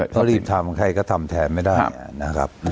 เขารีบทำใครก็ทำแทนไม่ได้นะครับ